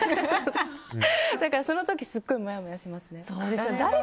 だから、その時すごくもやもやしますね。